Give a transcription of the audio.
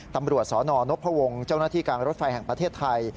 ตำรวจสนนพวงศ์เจ้าหน้าที่การรถไฟแห่งประเทศไทย